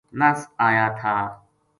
نَس آیا تھا